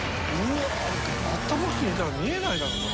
バッターボックスにいたら見えないだろうな。